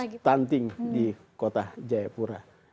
angka stunting di kota jaipura